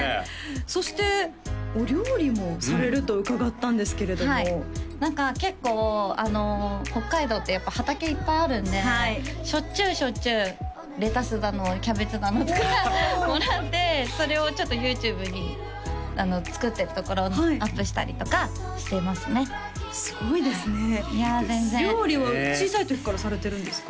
そしてお料理もされると伺ったんですけれども何か結構あの北海道ってやっぱ畑いっぱいあるんでしょっちゅうしょっちゅうレタスだのキャベツだのとかもらってそれをちょっとＹｏｕＴｕｂｅに作ってるところをアップしたりとかしてますねすごいですねいや全然料理は小さい時からされてるんですか？